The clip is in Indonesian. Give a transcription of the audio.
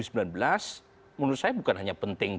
menurut saya bukan hanya penting